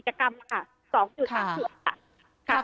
แยกกันทำกิจกรรมค่ะ๒๓ชั่ว